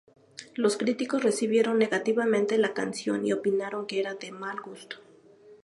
Los críticos recibieron negativamente la canción, y opinaron que era de mal gusto.